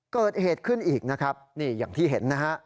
เกิดเหตุขึ้นอีกนะครับนี่อย่างที่เห็นนะฮะ